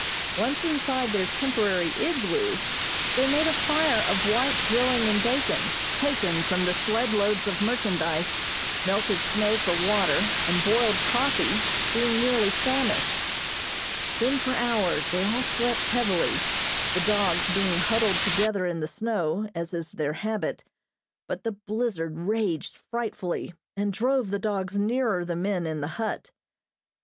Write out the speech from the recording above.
Once inside their temporary igloo, they made a fire of white drilling and bacon, taken from the sled loads of merchandise; melted snow for water, and boiled coffee, being nearly famished. Then for hours they all slept heavily, the dogs being huddled together in the snow, as is their habit, but the blizzard raged frightfully, and drove the dogs nearer the men in the hut.